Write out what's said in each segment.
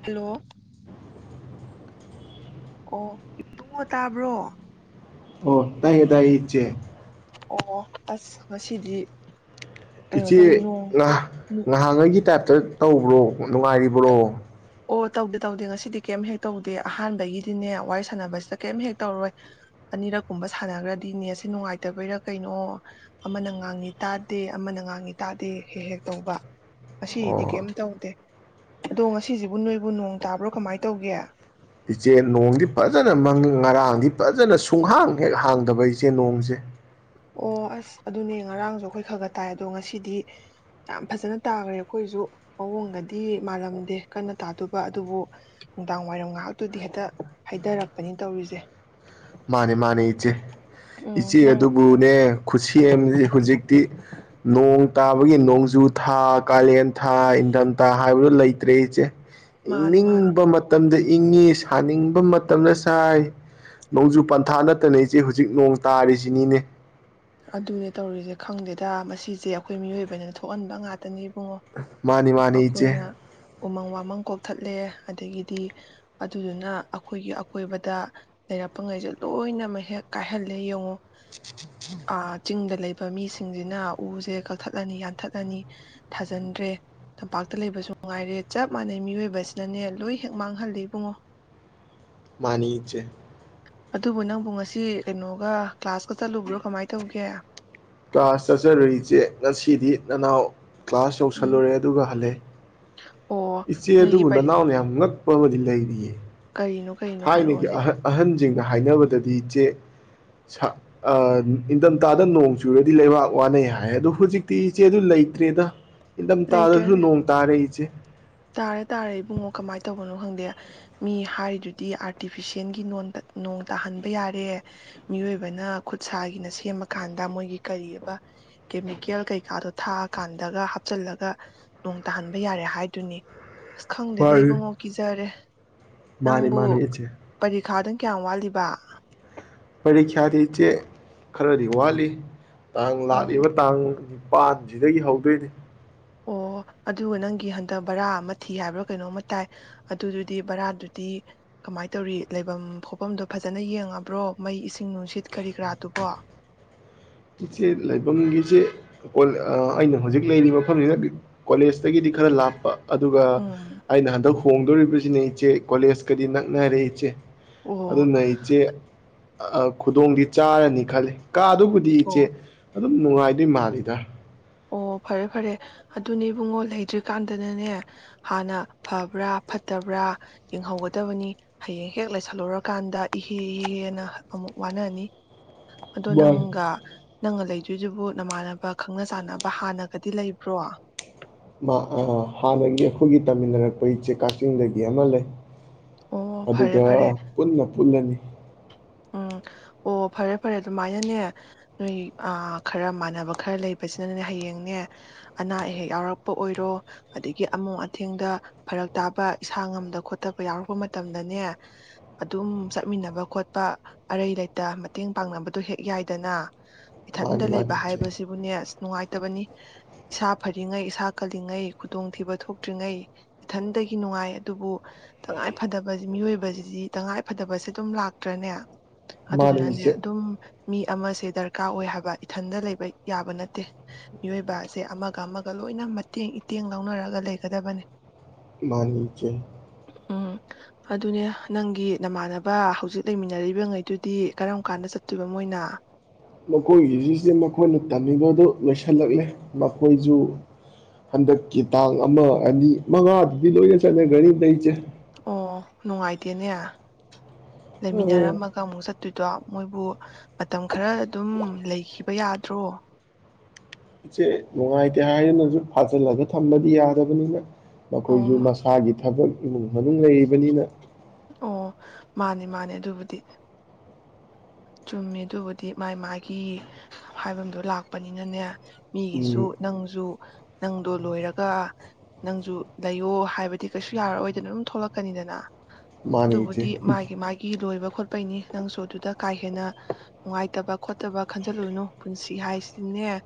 Hello! ꯑꯣ ꯏꯕꯨꯡꯉꯣ ꯇꯥꯕ꯭ꯔꯣ? ꯑꯣ ꯇꯥꯏꯌꯦ - ꯇꯥꯏꯌꯦꯏ ꯏꯆꯦ꯫ ꯑꯣ ꯑꯁ ꯉꯁꯤꯗꯤ ꯀꯩꯅꯣ ꯏꯆꯦ ꯇꯧꯋꯤ ꯅꯣꯡ ꯉꯍꯥꯉꯩꯒꯤ ꯇꯥꯏꯞ ꯇꯧꯕ꯭ꯔꯣ ꯅꯨꯡꯉꯥꯏꯔꯤꯕ꯭ꯔꯣ? ꯑꯣ ꯇꯧꯗꯦ ꯇꯧꯗꯦ ꯉꯁꯤꯗꯤ ꯀꯩꯝ ꯍꯦꯛ ꯇꯧꯗꯦ ꯑꯍꯥꯟꯕꯒꯤꯗꯤꯅꯦ ꯋꯥꯔꯤ ꯁꯥꯟꯅꯕꯁꯤꯗ ꯀꯩꯝ ꯍꯦꯛ ꯇꯧꯔꯣꯏ ꯑꯅꯤꯔꯛꯀꯨꯝꯕ ꯁꯥꯟꯅꯈ꯭ꯔꯗꯤꯅꯦ ꯅꯦꯠꯁꯤ ꯅꯨꯡꯉꯥꯏꯇꯕꯩꯔꯥ ꯀꯩꯅꯣ ꯑꯃꯅ ꯉꯥꯡꯉꯤ ꯇꯥꯗꯦ ꯑꯃꯅ ꯉꯥꯡꯉꯤ ꯇꯥꯗꯦ ꯍꯦꯛ - ꯍꯦꯛ ꯇꯧꯕ ꯉꯁꯤꯗꯤ ꯀꯩꯝ ꯑꯣ ꯇꯧꯗꯦ ꯑꯗꯣ ꯁꯤꯁꯤꯕꯨ ꯅꯣꯏꯕꯨ ꯅꯣꯡ ꯇꯥꯕ꯭ꯔꯣ ꯀꯃꯥꯏꯅ ꯇꯧꯒꯦ? ꯏꯆꯦ ꯅꯣꯡꯗꯤ ꯐꯖꯅꯪ ꯃꯪꯉꯤ ꯉꯔꯥꯡꯗꯤ ꯐꯖꯅ ꯁꯨꯡꯍꯥꯡ ꯍꯦꯛ ꯍꯥꯡꯗꯕ ꯏꯆꯦ ꯅꯣꯡꯖꯦ꯫ ꯑꯣ ꯑꯁ ꯑꯗꯨꯅꯦ ꯉꯔꯥꯡꯗꯣ ꯑꯩꯈꯣꯏ ꯈꯔ ꯈ ꯇꯥꯏ ꯑꯗꯣ ꯉꯁꯤꯗꯤ ꯌꯥꯝ ꯐꯖꯅ ꯇꯥꯈ꯭ꯔꯦ ꯑꯩꯈꯣꯏꯁꯨ ꯃꯑꯣꯡꯒꯗꯤ ꯃꯥꯜꯂꯝꯗꯦ ꯀꯟꯅ ꯇꯥꯗꯨꯕ ꯑꯗꯨꯕꯨ ꯅꯨꯡꯗꯥꯡ ꯋꯥꯏꯔꯝ ꯉꯥꯏꯍꯥꯛꯇꯨꯗꯤ ꯍꯦꯛꯇ ꯍꯥꯏꯊꯔꯛꯄꯅꯤ ꯇꯧꯔꯤꯁꯦ꯫ ꯃꯥꯅꯦ- ꯃꯥꯅꯦ ꯏꯆꯦ, ꯎꯝ ꯏꯆꯦ ꯅꯪ ꯑꯗꯨꯕꯨꯅꯦ ꯈꯨꯁꯦꯝꯖꯦ ꯍꯧꯖꯤꯛꯇꯤ ꯅꯣꯡ ꯇꯥꯕꯒꯤ ꯅꯣꯡꯖꯨ ꯊꯥ ꯀꯥꯂꯦꯟ ꯊꯥ ꯏꯟꯊꯝꯊꯥ ꯍꯥꯏꯕꯗꯨꯣ ꯂꯩꯇ꯭ꯔꯦ ꯏꯆꯦ꯫ ꯃꯥꯅꯦ ꯃꯥꯅꯦ ꯏꯪꯅꯤꯡꯕ ꯃꯇꯝꯗ ꯏꯪꯉꯤ ꯁꯥꯅꯤꯡꯕ ꯃꯇꯝꯗ ꯁꯥꯏ ꯫ ꯅꯣꯡꯖꯨ ꯄꯟꯊꯥ ꯅꯠꯇꯅ ꯏꯆꯦ ꯍꯧꯖꯤꯛ ꯅꯣꯡ ꯇꯥꯔꯤꯁꯤꯅꯤꯅꯦ꯫ ꯑꯗꯨꯅꯦ ꯇꯧꯔꯤꯁꯦ ꯈꯪꯗꯦꯗ ꯃꯁꯤꯁꯦ ꯑꯩꯈꯣꯏ ꯃꯤꯑꯣꯏꯕꯅꯤꯅ ꯊꯣꯛꯍꯟꯕ ꯉꯥꯛꯇꯅꯤ꯫ ꯎꯨꯡꯉꯣ ꯃꯥꯅꯤ ꯃꯥꯅꯤ ꯏꯆꯦ ꯑꯩꯈꯣꯏꯅ ꯎꯃꯪ ꯋꯥꯃꯪ ꯀꯣꯛꯊꯠ ꯂꯦ ꯑꯗꯒꯤꯗꯤ ꯑꯗꯨꯗꯨꯅ ꯑꯩꯈꯣꯏꯒꯤ ꯑꯀꯣꯏꯕꯗ ꯂꯩꯔꯛꯄ ꯉꯩꯖꯦ ꯂꯣꯏꯅꯃꯛ ꯍꯦꯛ ꯀꯥꯏꯍꯜꯂꯦ ꯌꯦꯡꯉꯨ꯫ ꯆꯤꯡꯗ ꯂꯩꯕ ꯃꯤꯁꯤꯡꯁꯤꯅ ꯎꯖꯦ ꯀꯛꯊꯠꯂꯅꯤ ꯌꯥꯟꯊꯠꯂꯅꯤ ꯊꯥꯖꯤꯟꯗ꯭ꯔꯦ ꯇꯝꯄꯥꯛꯇ ꯂꯩꯕꯁꯨ ꯅꯨꯡꯉꯥꯏꯔꯦ ꯆꯞ ꯃꯥꯟꯅꯩ ꯃꯤꯑꯣꯏꯕꯁꯤꯅꯅꯦ ꯂꯣꯏ ꯍꯦꯛ ꯃꯥꯡꯍꯜꯂꯤ ꯏꯕꯨꯡꯉꯣ꯫ ꯃꯥꯅꯤ ꯏꯆꯦ꯫ ꯑꯗꯨꯕꯨ ꯅꯪꯕꯨ ꯉꯁꯤ ꯀꯩꯅꯣꯒ ꯀ꯭ꯂꯥꯁꯀ ꯆꯠꯂꯨꯕ꯭ꯔꯣ ꯀꯃꯥꯏꯅ ꯇꯧꯒꯦ? ꯀꯂ꯭ꯑꯥꯁ ꯆꯠꯆꯔꯨꯏꯁꯦ ꯉꯁꯤꯗꯤ ꯅꯅꯥꯎ ꯀ꯭ꯂꯥꯁ ꯎꯝ ꯌꯧꯁꯜꯂꯨꯔꯦ ꯑꯗꯨꯒ ꯍꯜꯂꯛꯑꯦ ꯑꯣ ꯏꯆꯦ ꯅꯣꯏꯒꯤ ꯑꯗꯨꯕꯨ ꯅꯅꯥꯎꯅ ꯌꯥꯝ ꯉꯛ [unintelligible] ꯃꯗꯤ ꯂꯩꯔꯤꯌꯦ꯫ ꯀꯔꯤꯅꯣ ꯀꯔꯤꯅꯣ ꯊꯥꯏ ꯅꯒꯤ ꯍꯥꯏꯔꯛꯑꯣꯅꯦ ꯑꯍꯟ ꯑꯍꯟ ꯁꯤꯡꯅ ꯍꯥꯏꯅꯕꯗꯗꯤ ꯏꯆꯦ ꯅꯤꯡꯊꯝꯊꯥꯗ ꯅꯣꯡ ꯆꯨꯔꯗꯤ ꯂꯩꯕꯥꯛ ꯋꯥꯅꯩ ꯍꯥꯏ ꯑꯣ ꯍꯧꯖꯤꯛꯇꯤ ꯏꯆꯦꯗꯨ ꯂꯩꯇ꯭ꯔꯦꯗ꯫ ꯂꯩꯇ꯭ꯔꯦ ꯏꯟꯊꯝꯊꯥꯗꯁꯨ ꯅꯣꯡ ꯇꯥꯔꯦ ꯏꯆꯦ꯫ ꯇꯥꯔꯦ ꯇꯥꯔꯦ ꯏꯕꯨꯡꯉꯣ ꯀꯃꯥꯏ ꯇꯧꯕꯅꯣ ꯈꯪꯗꯦ ꯃꯤ ꯍꯥꯏꯔꯤꯗꯨꯗꯤ ꯑꯥꯔꯇꯤꯐꯤꯁꯦꯜꯒꯤ ꯅꯣꯡ ꯇꯥꯍꯟꯕ ꯌꯥꯔꯦ ꯃꯤꯑꯣꯏꯕꯅ ꯈꯨꯠ ꯁꯥꯥꯒꯤꯅ ꯁꯦꯝꯃꯀꯥꯟꯗ ꯃꯣꯏꯒꯤ ꯀꯔꯤꯕ ꯀꯦꯃꯤꯀꯦꯜ ꯀꯩꯀꯥꯗꯣ ꯊꯥꯛꯑꯀꯥꯟꯗꯒ ꯍꯥꯞꯆꯤꯜꯂꯒ ꯅꯣꯡ ꯇꯥꯍꯟꯕ ꯌꯥꯔꯦ ꯍꯥꯏꯗꯨꯅꯤ ꯑꯁ ꯈꯪꯗꯦꯗ ꯃꯥꯅꯤ ꯏꯕꯨꯡꯉꯣ ꯀꯤꯖꯔꯦ ꯃꯥꯅꯤ ꯅꯪꯕꯨ ꯃꯥꯅꯤ ꯏꯆꯦ ꯄꯔꯤꯈꯥꯗꯪ ꯀꯌꯥꯝ ꯋꯥꯠꯂꯤꯕ ꯄꯔꯤꯈ꯭ꯌꯥꯗꯤ ꯏꯆꯦ ꯈꯔꯗꯤ ꯋꯥꯠꯂꯤ ꯇꯥꯡ ꯑꯣ ꯂꯥꯛꯂꯤꯕ ꯇꯥꯡ ꯄꯥꯟꯖꯤꯗꯒꯤ ꯍꯧꯗꯣꯏꯅꯤ ꯑꯣ ꯑꯗꯨꯒ ꯅꯪꯒꯤ ꯍꯟꯗꯛ ꯕꯔꯥ ꯑꯃ ꯊꯤ ꯍꯥꯏꯕ꯭ꯔꯥ ꯀꯩꯅꯣꯝꯃ ꯇꯥꯏ ꯑꯗꯨꯗꯨꯗꯤ ꯕꯔꯥꯗꯨꯗꯤ ꯀꯃꯥꯏ ꯇꯧꯔꯤ ꯂꯩꯕꯝ ꯈꯣꯠꯐꯝꯗꯣ ꯐꯖꯅ ꯌꯦꯡꯉꯕ꯭ꯔꯣ ꯃꯩ ꯏꯁꯤꯡ ꯅꯨꯡꯁꯤꯠ ꯀꯔꯤ ꯀꯔꯥꯗꯨꯕꯣ ꯏꯆꯦ ꯂꯥꯏꯐꯝꯒꯤꯁꯦ ꯀꯣ ꯑ ꯑꯩꯅ ꯍꯧꯖꯤꯛ ꯂꯩꯔꯤꯕ ꯃꯐꯝꯁꯤꯅ ꯀꯣꯂꯦꯖꯇꯒꯤꯗꯤ ꯈꯔ ꯂꯥꯞꯄ ꯑꯗꯨꯒ ꯎꯝ ꯑꯩꯅ ꯍꯟꯗꯛ ꯍꯣꯡꯗꯣꯔꯤꯕꯖꯤꯅ ꯏꯆꯦ ꯀꯣꯂꯦꯖꯀꯗꯤ ꯅꯛꯅꯔꯦ ꯏꯆꯦ ꯑꯣ ꯑꯗꯨꯝꯅ ꯏꯆꯦ ꯑ ꯈꯨꯗꯣꯡꯗꯤ ꯆꯥꯔꯅꯤ ꯈꯜꯂꯤ ꯀꯥꯗꯨꯕꯨꯗꯤ ꯑꯣ ꯆꯦ ꯑꯗꯨꯝ ꯅꯨꯡꯉꯥꯏꯗꯣꯏ ꯃꯥꯜꯂꯤꯗ ꯑꯣ ꯐꯔꯦ ꯐꯔꯦ ꯑꯗꯨꯅꯦ ꯏꯕꯨꯡꯉꯣ ꯂꯩꯗ꯭ꯔꯤꯀꯥꯟꯗꯅꯅꯦ ꯍꯥꯟꯅ ꯐꯕ꯭ꯔꯥ ꯐꯠꯇꯕ꯭ꯔꯥ ꯌꯦꯡꯍꯧꯒꯗꯕꯅꯤ ꯍꯌꯦꯡ ꯍꯦꯛ ꯂꯩꯁꯜꯂꯨꯔꯀꯥꯟꯗ ꯏꯍꯦ ꯏ ꯍꯦꯅ ꯑꯃꯨꯛ ꯋꯥꯅꯅꯤ ꯑꯗꯣ ꯅꯪꯒ ꯅꯪꯅ ꯂꯩꯗꯣꯏꯗꯨꯕꯨ ꯅꯃꯥꯟꯅꯕ ꯈꯪꯅ ꯆꯥꯟꯅ ꯍꯥꯟꯅꯒꯗꯤ ꯂꯩꯕ꯭ꯔꯣ ꯅ ꯑꯣ ꯍꯥꯟꯅꯒꯤ ꯑꯩꯈꯣꯏꯒꯤ ꯇꯝꯃꯤꯟꯅꯔꯛꯄ ꯏꯆꯦ ꯀꯛꯆꯤꯡꯗꯒꯤ ꯑꯃ ꯂꯩ ꯑꯣ ꯐꯔꯦ ꯑꯗꯨꯒ ꯐꯔꯦ ꯄꯨꯟꯅ ꯄꯨꯜꯂꯅꯤ ꯎꯝ ꯑꯣ ꯐꯔꯦ ꯐꯔꯦ ꯑꯗꯨꯃꯥꯏꯅꯅꯦ ꯅꯣꯏ ꯑ ꯈꯔ ꯃꯥꯟꯅꯕ ꯈꯔ ꯂꯩꯕꯁꯤꯅꯅꯦ ꯍꯌꯦꯡꯅꯦ ꯑꯅꯥ ꯑꯌꯦꯛ ꯌꯥꯎꯔꯛꯄ ꯑꯣꯏꯔꯣ ꯑꯗꯒꯤ ꯑꯃꯣ ꯑꯊꯦꯡꯗ ꯐꯔꯛ ꯇꯥꯕ ꯏꯁꯥ ꯉꯝꯗ ꯈꯣꯠꯇꯄ ꯌꯥꯎꯔꯛꯄ ꯃꯇꯝꯗꯅꯦ ꯑꯗꯨꯝ ꯆꯠꯃꯤꯟꯅꯕ ꯈꯣꯠ ꯄ ꯑꯔꯩ ꯂꯩꯇ ꯃꯇꯦꯡ ꯄꯥꯡꯅꯕꯗꯨ ꯍꯦꯛ ꯌꯥꯏꯗꯅ ꯏꯊꯟꯗ ꯃꯥꯅꯤ ꯃꯥꯅꯤ ꯂꯩꯕ ꯏꯆꯦ ꯍꯥꯏꯕꯁꯤꯕꯨꯅꯦ ꯑꯁ ꯅꯨꯡꯉꯥꯏ ꯐꯕꯅꯤ ꯏꯁꯥ ꯐꯔꯤꯉꯩ ꯏꯁꯥ ꯀꯜꯂꯤꯉꯩ ꯈꯨꯗꯣꯡꯊꯤꯕ ꯊꯣꯛꯇ꯭ꯔꯤꯉꯩ ꯏꯊꯟꯇꯗꯒꯤ ꯅꯨꯡꯉꯥꯏ ꯑꯗꯨꯕꯨ ꯇꯉꯥꯏ ꯐꯗꯕ ꯃꯤꯑꯣꯏꯕꯖꯤꯗꯤ ꯇꯉꯥꯏ ꯐꯗꯕꯁꯦ ꯑꯗꯨꯝ ꯂꯥꯛ ꯇ꯭ꯔꯅꯦ ꯃꯥꯅꯤ ꯑꯗꯨꯗꯨꯅꯅꯦ ꯏꯆꯦ ꯑꯗꯨꯝ ꯃꯤ ꯑꯃꯁꯦ ꯗꯔꯀꯥꯔ ꯑꯣꯏ ꯍꯥꯏꯕ ꯏꯊꯟꯗ ꯂꯩꯕ ꯌꯥꯕ ꯅꯠꯇꯦ ꯃꯤꯑꯣꯏꯕꯁꯦ ꯑꯃꯒ ꯑꯃꯒ ꯂꯣꯏꯅ ꯃꯇꯦꯡ ꯏꯇꯦꯡ ꯂꯧꯅꯔꯒ ꯂꯩꯒꯗꯕꯅꯦ ꯃꯥꯅꯤ ꯏꯆꯦ ꯎꯝ ꯑꯗꯨꯅꯦ ꯅꯪꯒꯤ ꯅꯃꯥꯟꯅꯕ ꯍꯧꯖꯤꯛ ꯂꯩꯃꯤꯟꯅꯔꯤꯕꯉꯩꯗꯨꯗꯤ ꯀꯔꯝ ꯀꯥꯟꯗ ꯆꯠꯇꯣꯏꯕ ꯃꯣꯏꯅ ꯃꯈꯣꯏꯒꯤꯖꯦ ꯏꯆꯦ ꯃꯈꯣꯏꯅ ꯇꯝꯃꯤꯕꯗꯨ ꯂꯣꯏꯁꯤꯜꯂꯛꯂꯦ ꯃꯈꯣꯏꯖꯨ ꯍꯟꯗꯛꯀꯤ ꯇꯥꯡ ꯑꯃ ꯑꯅꯤ ꯃꯉꯥꯗꯨꯗ ꯂꯣꯏꯅ ꯆꯠꯅꯒ꯭ꯔꯅꯤꯗ ꯏꯆꯦꯪ ꯑꯣ ꯅꯨꯡꯉꯥꯏꯇꯦꯅꯦ ꯑꯥ ꯂꯩꯃꯤꯟꯅꯔꯝꯃꯒ ꯑꯃꯨꯛ ꯆꯠ ꯑꯗꯨꯗ ꯃꯣꯏꯕꯨ ꯃꯇꯝ ꯈꯔ ꯑꯗꯨꯝ ꯂꯩꯈꯤꯕ ꯌꯥꯗ꯭ꯔꯣ ꯏꯆꯦ ꯅꯨꯡꯉꯥꯏꯇꯦ ꯍꯥꯏꯗꯅꯖꯨ ꯐꯥꯖꯤꯜꯂꯒ ꯊꯝꯕꯗꯤ ꯌꯥꯗꯕꯅꯤꯅ ꯑꯣ ꯃꯈꯣꯏꯁꯨ ꯃꯁꯥꯒꯤ ꯊꯕꯛ ꯎꯝ ꯑꯗꯨꯝ ꯂꯩꯕꯅꯤꯅ ꯑꯣ ꯃꯥꯅꯦ ꯃꯥꯅꯦ ꯑꯗꯨꯕꯨꯗꯤ ꯆꯨꯝꯃꯦ ꯑꯗꯨꯕꯨꯗꯤ ꯃꯥꯥꯏ ꯃꯥꯒꯤ ꯍꯥꯏꯕꯝꯗꯣ ꯂꯥꯛꯄꯅꯤꯅꯅꯦ ꯃꯤꯒꯤꯁꯨ ꯎꯝ ꯅꯪꯖꯨ ꯅꯪꯗꯣ ꯂꯣꯏꯔꯒ ꯅꯪꯁꯨ ꯂꯩꯌꯣ ꯍꯥꯏꯕꯗꯤ ꯀꯩꯁꯨ ꯌꯥꯔꯛꯔꯣꯏꯗꯅ ꯑꯗꯨꯝ ꯊꯣꯛꯂꯛꯀꯅꯤꯗꯅ ꯃꯥꯅꯦ ꯏꯆꯦ ꯑꯗꯨꯕꯨꯗꯤ ꯃꯥꯒꯤ ꯃꯥꯒꯤ ꯂꯣꯏꯕ ꯍꯣꯠꯄꯩꯅꯤ ꯅꯪꯁꯨ ꯑꯗꯨꯗ ꯀꯥ ꯍꯦꯟꯅ ꯅꯨꯡꯉꯥꯏꯇꯕ ꯈꯣꯠꯇꯕ ꯈꯟꯖꯤꯜꯂꯨꯅꯨ ꯄꯨꯟꯁꯤ ꯍꯥꯏꯁꯤꯗꯤꯅꯦ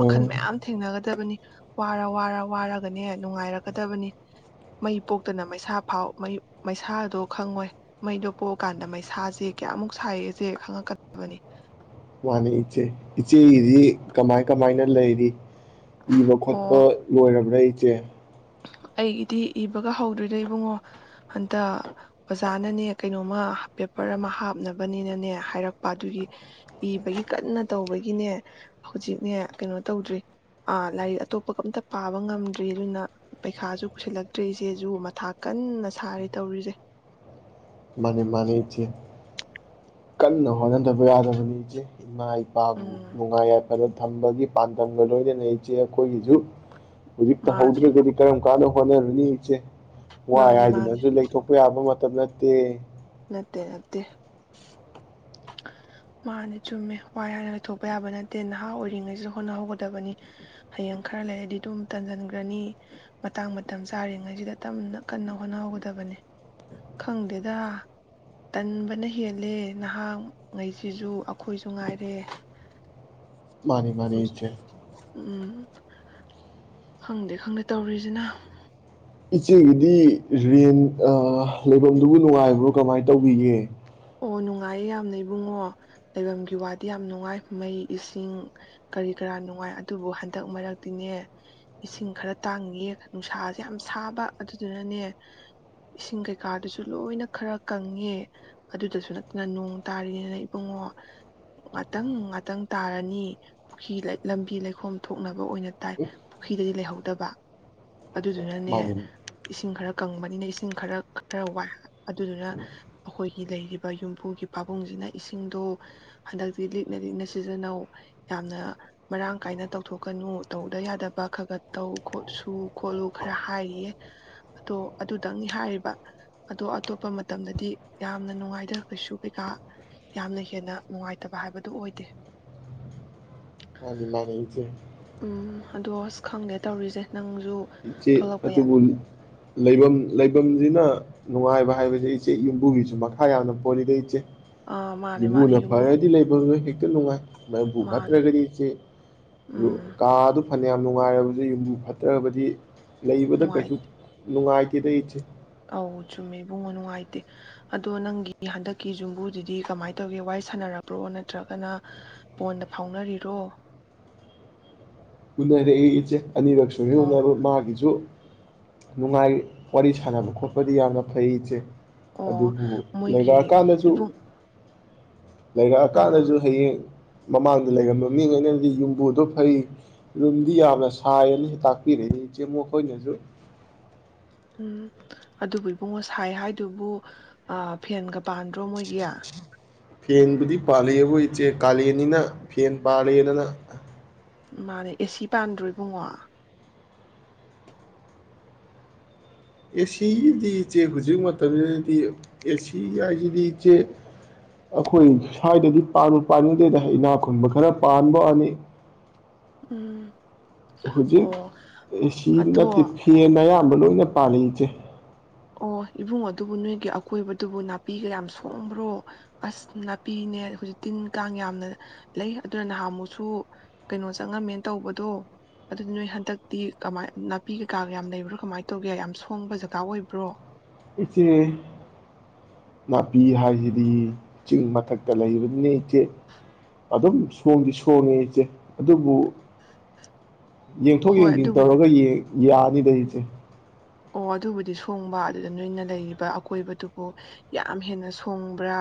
ꯑ ꯃꯌꯥꯝ ꯊꯦꯡꯅꯒꯗꯕꯅꯤ ꯋꯥꯔ ꯋꯥꯔ ꯋꯥꯔꯒꯅꯦ ꯅꯨꯡꯉꯥꯏꯔꯛꯀꯗꯕꯅꯤ ꯃꯩ ꯄꯣꯛꯇꯅ ꯃꯩꯁꯥ ꯐꯥꯎ ꯃꯩꯁꯥꯗꯣ ꯈꯪꯉꯣꯏ ꯃꯩꯗꯣ ꯄꯣꯛꯑꯀꯥꯟꯗ ꯃꯩꯁꯥꯁꯦ ꯀꯌꯥꯃꯨꯛ ꯁꯥꯏꯌꯦꯁꯦ ꯈꯪꯉꯛꯀꯗꯕꯅꯤ ꯃꯥꯅꯤ ꯏꯆꯦ ꯏꯆꯦꯒꯤꯗꯤ ꯀꯃꯥꯏ ꯀꯃꯥꯏꯅ ꯂꯩꯔꯤ ꯏꯕ ꯈꯣꯠꯄ ꯑꯣ ꯂꯣꯏꯔꯕ꯭ꯔꯥ ꯆꯦ ꯑꯩꯒꯤꯗꯤ ꯏꯕꯒ ꯍꯧꯗꯔ꯭ꯤ ꯄꯩꯈꯥꯁꯨ ꯀꯨꯏꯁꯤꯜꯂꯛꯇ꯭ꯔ ꯏꯦꯆꯦꯁꯨ ꯃꯊꯥ ꯀꯟꯅ ꯁꯥꯔꯤ ꯇꯧꯔꯤꯁꯦ ꯃꯥꯅꯦ ꯃꯥꯅꯦ ꯏꯆꯦ ꯀꯟꯅ ꯍꯣꯠꯅꯗꯕ ꯌꯥꯗꯕꯅꯤ ꯏꯆꯦ ꯏꯃꯥ ꯏꯄꯥꯕꯨ ꯎꯝ ꯅꯨꯡꯉꯥꯏ ꯌꯥꯏ [unintelligible] ꯊꯝꯕꯒꯤ ꯄꯥꯟꯗꯝꯒ ꯂꯣꯏꯅꯅ ꯏꯆꯦ ꯑꯩꯈꯣꯏꯒꯤꯁꯨ ꯍꯧꯖꯤꯛ ꯃꯥꯅꯦ ꯇꯧꯍꯧꯗ꯭ꯔꯦꯒꯗꯤ ꯀꯔꯝ ꯀꯥꯅ ꯍꯣꯠꯅꯔꯅꯤ ꯏꯆꯦ ꯋꯥꯏ ꯃꯥꯅꯦ ꯃꯥꯅꯦ ꯍꯥꯏꯗꯨꯅꯁꯨ ꯂꯩꯊꯣꯛꯄ ꯌꯥꯕ ꯃꯠ [unintelligible] ꯇꯦ ꯅꯠꯇꯦ ꯅꯠꯇꯦ ꯃꯥꯅ ꯆꯨꯝꯃꯦ ꯋꯥꯏ ꯍꯥꯏꯅ ꯂꯩꯊꯣꯛꯄ ꯌꯥꯕ ꯅꯠꯇꯦ ꯅꯍꯥ ꯑꯣꯏꯔꯤꯉꯩꯁꯤꯗ ꯍꯣꯠꯅꯍꯧꯒꯗꯕꯅꯤ ꯍꯌꯦꯡ ꯈꯔ ꯂꯩꯔꯗꯤ ꯑꯗꯨꯝ ꯇꯟꯖꯟꯒꯔ꯭ ꯅꯤ ꯃꯇꯥꯡ ꯃꯇꯝ ꯆꯥꯔꯤꯉꯩꯁꯤꯗ ꯇꯞꯅ ꯀꯟꯅ ꯍꯣꯠꯅꯍꯧꯒꯗꯕꯅꯦ ꯈꯪꯗꯦꯗ ꯇꯟꯕꯅ ꯍꯦꯜꯂꯦ ꯅꯍꯥ ꯉꯩꯁꯤꯁꯨ ꯑꯩꯈꯣꯏꯁꯨ ꯉꯥꯏꯔꯦ ꯃꯥꯅꯤ ꯃꯥꯅꯤ ꯏꯆꯦ ꯎꯝ ꯈꯪꯗꯦ ꯈꯪꯗꯦ ꯇꯧꯔꯤꯖꯤꯅ ꯏꯆꯦꯒꯤꯗꯤ ꯔꯦꯟ ꯂꯩꯐꯝꯗꯨꯕꯨ ꯅꯨꯡꯉꯥꯏꯕ꯭ꯔꯣ ꯀꯃꯥꯏ ꯇꯧꯕꯤꯒꯦ ꯑꯣ ꯅꯨꯡꯉꯥꯏꯌꯦ ꯌꯥꯝꯅ ꯏꯕꯨꯡꯉꯣ ꯂꯩꯐꯝꯒꯤ ꯋꯥꯗꯤ ꯌꯥꯝ ꯅꯨꯡꯉꯥꯏ ꯃꯩ ꯏꯁꯤꯡ ꯀꯔꯤ ꯀꯔꯥ ꯅꯨꯡꯉꯥꯏ ꯑꯗꯨꯕꯨ ꯍꯟꯗꯛ ꯃꯔꯛꯇꯤꯅꯦ ꯏꯁꯤꯡ ꯈꯔ ꯇꯥꯡꯉꯦ ꯅꯨꯡꯁꯥꯁꯦ ꯌꯥꯝ ꯁꯥꯕ ꯑꯗꯨꯗꯨꯅꯅꯦ ꯏꯁꯤꯡ ꯀꯩꯀꯥꯗꯨꯁꯨ ꯂꯣꯏꯅ ꯈꯔ ꯀꯪꯉꯦ ꯑꯗꯨꯗꯁꯨ ꯅꯠꯇꯅ ꯅꯣꯡ ꯇꯥꯔꯤꯅꯦꯅ ꯏꯕꯨꯡꯉꯣ ꯉꯥꯇꯪ ꯉꯥꯇꯪ ꯇꯥꯔꯅꯤ ꯄꯨꯈ꯭ꯔꯤ ꯂꯝꯕꯤ ꯂꯩꯈꯣꯝ ꯊꯣꯛꯅꯕ ꯑꯣꯏꯅ ꯇꯥꯏ ꯄꯨꯈ꯭ꯔꯤꯗꯗꯤ ꯂꯩꯍꯧꯗꯕ ꯑꯗꯨꯗꯨꯅꯅꯦ ꯃꯥꯅꯤ ꯏꯁꯤꯡ ꯈꯔ ꯀꯪꯕꯅꯤꯅ ꯏꯁꯤꯡ ꯈꯔ ꯈꯔ ꯋꯥꯏ ꯑꯗꯨꯗꯨꯅ ꯑꯩꯈꯣꯏ ꯂꯩꯔꯤꯕ ꯌꯨꯝꯕꯨꯒꯤ ꯄꯥꯕꯨꯡꯁꯤꯅ ꯏꯁꯤꯡꯗꯣ ꯍꯟꯗꯛꯇꯤ ꯂꯤꯛꯅ ꯂꯤꯛꯅ ꯁꯤꯖꯤꯟꯅꯧ ꯌꯥꯝꯅ ꯃꯔꯥꯡ ꯀꯥꯏꯅ ꯇꯧꯊꯣꯛꯀꯅꯨ ꯇꯧꯗ ꯌꯥꯗꯕ ꯈ ꯈ ꯇꯧ ꯈꯣꯠꯁꯨ ꯈꯣꯠꯂꯨ ꯈꯔ ꯍꯥꯏꯔꯤꯌꯦ ꯑꯗꯣ ꯑꯗꯨꯗꯪꯅꯤ ꯍꯥꯏꯔꯤꯕ ꯑꯗꯣ ꯑꯇꯣꯞꯄ ꯃꯇꯝꯗꯗꯤ ꯌꯥꯝꯅ ꯅꯨꯡꯉꯥꯏꯗ ꯀꯩꯁꯨ ꯀꯩꯀꯥ ꯌꯥꯝꯅ ꯍꯦꯟꯅ ꯅꯨꯡꯉꯥꯏꯇꯕ ꯍꯥꯏꯕꯗꯨ ꯑꯣꯏꯗꯦ ꯎꯝ [unintelligible] ꯑꯗꯣ ꯑꯁ ꯈꯪꯗꯦ ꯇꯧꯔꯤꯁꯦ ꯅꯪꯁꯨ ꯏꯆꯦ ꯊꯣꯛꯂꯛꯄ ꯌꯥ ꯑꯗꯨꯕꯨ ꯂꯩꯚꯝ ꯂꯩꯚꯝꯁꯤꯅ ꯅꯨꯡꯉꯥꯏꯕ ꯍꯥꯏꯕꯁꯦ ꯏꯆꯦ ꯌꯨꯝꯕꯨꯒꯤꯁꯨ ꯃꯈꯥ ꯌꯥꯝꯅ ꯄꯣꯜꯂꯤꯗ ꯏꯆꯦ ꯑꯥ ꯃꯥꯅꯦ ꯃꯥꯅꯦ ꯌꯨꯝꯕꯨꯅ ꯌꯨꯝꯕꯨ ꯐꯔꯗꯤ ꯂꯩꯚꯝ ꯗꯣ ꯍꯦꯛ ꯅꯨꯡꯉꯥꯏ ꯃꯍꯕꯨ ꯃꯥꯅꯦ ꯐꯠꯇꯔꯒꯗꯤ ꯏꯆꯦ ꯎꯝ ꯀꯥ ꯑꯗꯨ ꯐꯅꯌꯥꯝ ꯅꯨꯡꯉꯥꯏꯔꯕꯁꯨ ꯌꯨꯝꯕꯨ ꯐꯠꯇ꯭ꯔꯕꯗꯤ ꯂꯩꯕꯗ ꯅꯨꯡꯉꯥꯏ ꯀꯩꯁꯨ ꯅꯨꯡꯉꯥꯏ ꯇꯦꯗ ꯏꯆꯦ ꯑꯧ ꯆꯨꯝꯃꯦ ꯏꯕꯨꯡꯉꯣ ꯅꯨꯡꯉꯥꯏꯇꯦ ꯑꯗꯣ ꯅꯪꯒꯤ ꯍꯟꯗꯛꯀꯤ ꯌꯨꯝꯕꯨꯗꯨꯗꯤ ꯀꯃꯥꯏꯅ ꯇꯧꯒꯦ ꯋꯥꯔꯤ ꯁꯥꯟꯅꯔꯕꯣ ꯅꯠꯇ꯭ꯔꯒꯅ ꯐꯣꯟꯗ ꯐꯥꯎꯅꯔꯤꯔꯣ ꯃꯔꯦ ꯏꯆꯦ ꯑꯅꯤꯔꯛ ꯁꯨ ꯑꯣ ꯍꯨꯅ ꯃꯥꯒꯤꯁꯨ ꯅꯨꯡꯉꯥꯏ ꯋꯥꯔꯤ ꯁꯥꯟꯅꯕ ꯈꯣꯠꯄꯗꯤ ꯌꯥꯝꯅ ꯐꯩ ꯏꯆꯦ ꯑꯣ ꯑꯗꯨꯕꯨ ꯃꯣꯏꯒꯤ ꯂꯩꯔꯛꯑꯀꯥꯟꯗꯁꯨ ꯏꯕꯨꯡ ꯑꯥ ꯂꯩꯔꯛꯑꯀꯥꯟꯗꯁꯨ ꯍꯌꯦꯡ ꯃꯃꯥꯡꯗ ꯂꯩꯔꯝꯕ ꯃꯤꯉꯩꯅꯕꯨꯗꯤ ꯌꯨꯝꯕꯨꯗꯣ ꯐꯩ ꯔꯨꯝꯗꯤ ꯌꯥꯝꯅ ꯁꯥꯏꯌꯦꯅ ꯇꯥꯛꯄꯤꯔꯛꯏꯅꯦ ꯏꯆꯦꯃꯣ ꯑꯩꯈꯣꯏꯅꯁꯨ ꯎꯝ ꯑꯗꯨꯕꯨ ꯏꯕꯨꯡꯉꯣ ꯁꯥꯏ ꯍꯥꯏꯗꯨꯕꯨ ꯐꯦꯟꯒ ꯄꯥꯟꯗ꯭ꯔꯣ ꯃꯣꯏꯒꯤ ꯐꯦꯟꯕꯨꯗꯤ ꯄꯥꯜꯂꯛꯑꯦꯕꯨ ꯏꯆꯦ ꯀꯥꯂꯦꯟꯅꯤꯅ ꯐꯦꯟ ꯄꯥꯜꯂꯦꯗꯅ ꯃꯥꯅꯦ ꯑꯦꯁꯤ ꯄꯥꯟꯗ꯭ꯔꯣ ꯏꯕꯨꯡꯉꯣ ꯑꯦꯁꯤꯒꯤꯗꯤ ꯏꯆꯦ ꯍꯧꯖꯤꯛ ꯃꯇꯝꯁꯤꯗꯗꯤ ꯑꯦꯁꯤ ꯍꯥꯏꯁꯤꯗꯤ ꯏꯆꯦ ꯑꯩꯈꯣꯏ ꯁ꯭ꯋꯥꯏꯗꯗꯤ ꯄꯥꯟꯕ ꯄꯥꯟꯅꯤꯡꯗꯦꯗ ꯏꯅꯥ ꯈꯨꯟꯕ ꯈꯔ ꯄꯥꯟꯕ ꯋꯥꯅꯤ ꯎꯝ ꯍꯧꯖꯤꯛ ꯑꯣ ꯑꯦꯁꯤ ꯑꯗꯣ ꯅꯠꯇꯦ ꯐꯦꯟ ꯑꯌꯥꯝ ꯕ ꯂꯣꯏꯅ ꯄꯥꯜꯂꯤ ꯏꯆꯦ ꯑꯣ ꯏꯕꯨꯉꯣ ꯑꯗꯨꯕꯨ ꯅꯣꯏꯒꯤ ꯑꯀꯣꯏꯕꯗꯨꯕꯨ ꯅꯥꯄꯤꯒ ꯌꯥꯝ ꯁꯣꯡꯕ꯭ꯔꯣ ꯑꯁ ꯅꯥꯄꯤꯅꯦ ꯍꯧꯖꯤꯛ ꯇꯤꯟ ꯀꯥꯡ ꯌꯥꯝꯅ ꯂꯩ ꯑꯗꯨꯅ ꯅꯍꯥꯟꯃꯨꯛꯁꯨ ꯀꯩꯅꯣ ꯆꯪꯉꯝꯃꯦꯅ ꯇꯧꯕꯗꯣ ꯑꯗꯨ ꯅꯣꯏ ꯍꯟꯗꯛꯇꯤ ꯀꯃꯥꯏ ꯅꯥꯄꯤ ꯀꯩꯀꯥꯒ ꯌꯥꯝ ꯂꯩꯕ꯭ꯔꯣ ꯀꯃꯥꯏꯅ ꯇꯧꯒꯦ ꯌꯥꯝ ꯁꯣꯡꯕ ꯖꯒꯥ ꯑꯣꯏꯕ ꯭ꯔꯣ ꯏꯆꯦ ꯅꯥꯄꯤ ꯍꯥꯏꯁꯤꯗꯤ ꯆꯤꯡ ꯃꯊꯛꯇ ꯂꯩꯕꯅꯤꯅꯤ ꯏꯆꯦ ꯑꯗꯨꯝ ꯁꯣꯡꯗꯤ ꯁꯣꯡꯉꯦ ꯏꯆꯦ ꯑꯗꯨꯕꯨ ꯌꯦꯡꯊꯣꯛ ꯍꯣꯏ ꯌꯦꯡꯁꯤꯟ ꯑꯗꯨꯕꯨꯗꯤ ꯇꯧꯔꯒ ꯌꯥꯅꯤꯗ ꯏꯆꯦ ꯑꯣ ꯑꯗꯨꯕꯨꯗꯤ ꯁꯣꯡꯕ ꯑꯗꯨꯗ ꯅꯣꯏꯅ ꯂꯩꯔꯤꯕ ꯑꯀꯣꯏꯕꯗꯨꯕꯨ ꯌꯥꯝ ꯍꯦꯟꯅ ꯁꯣꯡꯕ꯭ꯔꯥ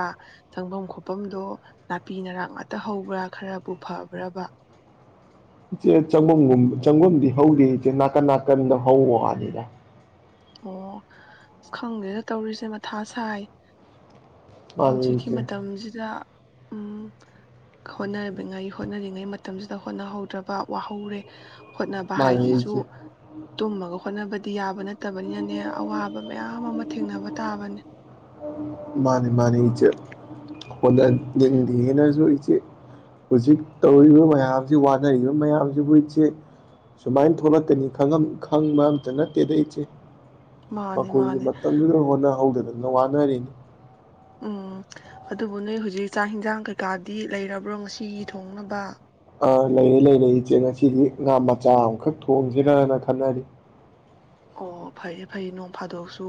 ꯆꯪꯐꯝ ꯈꯣꯐꯝꯗꯣ ꯅꯥꯄꯤ ꯅꯔꯥꯛ ꯉꯥꯛꯇ ꯍꯧꯕ꯭ꯔꯥ ꯈꯔꯕꯨ ꯐꯕ꯭ꯔꯕ ꯏꯆꯦ ꯆꯪꯕꯝꯒꯨꯝ ꯆꯪꯐꯝꯗꯤ ꯍꯧꯗꯦ ꯏꯆꯦ ꯅꯥꯀꯟ ꯅꯥꯀꯟꯗ ꯍꯧꯕ ꯋꯥꯅꯤꯗ ꯑꯣ ꯑ ꯈꯪꯗꯦꯗ ꯇꯧꯔꯤꯁꯦ ꯃꯊꯥ ꯁꯥꯏ ꯃꯥꯅꯤ ꯍꯧꯖꯤꯛꯀꯤ ꯏꯆꯦ ꯃꯇꯝꯁꯤꯗ ꯎꯝ ꯍꯣꯠꯅꯔꯤꯕ ꯉꯥꯏ ꯍꯣꯠꯅꯅꯤꯡ ꯃꯇꯝꯗ ꯍꯣꯠꯅꯍꯧꯗ꯭ꯔꯕ ꯋꯥꯍꯧꯔꯦ ꯍꯣꯠꯅꯕ ꯃꯥꯅꯤ ꯍꯥꯏꯁꯤꯁꯨ ꯏꯆꯦ ꯇꯨꯝꯃꯒ ꯍꯣꯠꯅꯕ ꯌꯥꯕ ꯅꯠꯇꯦ ꯅꯠꯇꯕꯅꯤꯅꯅꯦ ꯑꯋꯥꯕ ꯃꯌꯥꯝ ꯑꯃ ꯊꯦꯡꯅꯕ ꯇꯥꯕꯅꯦ ꯎꯝ ꯍꯣꯠꯅꯅꯤꯡꯗꯦꯅꯖꯨ ꯏꯆꯦ ꯍꯧꯖꯤꯛ ꯇꯧꯔꯤꯕ ꯃꯌꯥꯝꯁꯤ ꯋꯥꯅꯔꯤꯕ ꯃꯌꯥꯝꯁꯤꯕꯨ ꯏꯆꯦ ꯁꯨꯃꯥꯏꯅ ꯊꯣꯛꯂꯛꯀꯅꯤ ꯈꯪꯕ ꯑꯝꯇ ꯅꯠꯇꯦꯗ ꯏꯆꯦ ꯃꯥꯅꯦ ꯃꯈꯣꯏꯁꯨ ꯃꯥꯅꯦ ꯃꯇꯝꯗꯨꯗ ꯍꯣꯠꯅꯍꯧꯗꯅ ꯋꯥꯅꯔꯤꯅꯤ ꯎꯝ ꯑꯗꯨꯕꯨ ꯅꯣꯏ ꯍꯧꯖꯤꯛ ꯆꯥꯛ ꯍꯤꯟꯖꯥꯡ ꯀꯩꯀꯥꯗꯤ ꯂꯩꯔꯕ꯭ꯔꯣ ꯉꯁꯤ ꯊꯣꯡꯅꯕ ꯑ ꯂꯩꯔ ꯂꯩꯔ ꯏꯆꯦ ꯉꯁꯤꯗꯤ ꯉꯥ ꯃꯆꯥ ꯑꯃꯈꯛ ꯊꯣꯡꯁꯤꯔꯅ ꯈꯟꯅꯔꯤ ꯑꯣ ꯐꯩ ꯐꯩ ꯅꯣꯡ ꯐꯥꯗꯣꯛꯁꯨ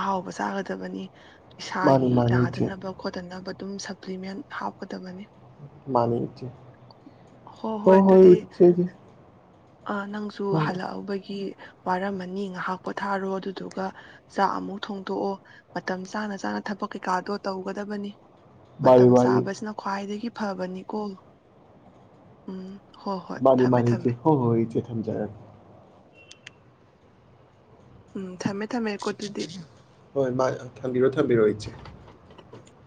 ꯑꯍꯥꯎꯕ ꯆꯥꯒꯗꯕꯅꯤ ꯃꯥꯅꯤ ꯏꯁꯥꯒꯤ ꯃꯥꯅꯤ ꯏꯆꯦ ꯅꯥꯗꯅꯕ ꯈꯣꯠꯇꯅꯕ ꯑꯗꯨꯝ ꯁꯛ ꯏꯝꯄ꯭ꯂꯤꯃꯦꯟ ꯍꯥꯞꯀꯗꯕꯅꯤ ꯃꯥꯅꯤ ꯏꯆꯦ ꯍꯣꯏ ꯍꯣꯏ ꯍꯣꯍꯣꯏ ꯑꯗꯨꯗꯤ ꯏꯆꯦ ꯑ ꯅꯪꯁꯨ ꯍꯜꯂꯛꯑꯕꯒꯤ ꯋꯥꯔꯝꯃꯅꯤ ꯉꯥꯏꯍꯥꯛ ꯄꯣꯊꯥꯔꯣ ꯑꯗꯨꯗꯨꯒ ꯆꯥꯛ ꯑꯃꯨꯛ ꯊꯣꯡꯗꯣꯛꯑꯣ ꯃꯇꯝ ꯆꯥꯅ ꯆꯥꯅ ꯊꯕꯛ ꯀꯩꯀꯥꯗꯣ ꯇꯧꯒꯗꯕꯅꯤ ꯃꯥꯅꯤ ꯃꯇꯝ ꯃꯥꯅꯤ ꯆꯥꯕꯁꯤꯅ ꯈ꯭ꯋꯥꯏꯗꯒꯤ ꯐꯕꯅꯤꯀꯣ ꯎꯝ ꯍꯣꯏ ꯍꯣꯏ ꯃꯥꯅꯤ ꯊꯝꯃꯦ ꯃꯥꯅꯤ ꯏꯆꯦ ꯊꯝꯃꯦ ꯍꯣꯍꯣꯏ ꯏꯆꯦ ꯊꯝꯖꯔꯒꯦ ꯎꯝ ꯊꯝꯃꯦ ꯊꯝꯃꯦꯀꯣ ꯑꯗꯨꯗꯤ ꯍꯣꯏ ꯊꯝꯕꯤꯔꯣ ꯊꯝꯕꯤꯔꯣ ꯏꯆꯦ